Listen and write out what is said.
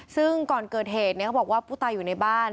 ซึ่งก่อนเกิดเหตุเขาบอกว่าผู้ตายอยู่ในบ้าน